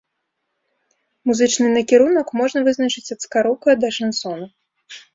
Музычны накірунак можна вызначыць ад ска-рока да шансона.